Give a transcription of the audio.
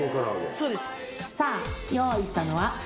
さあ用意したのはこれ！